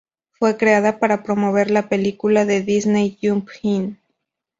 Fue creada para promover la película de Disney, Jump In!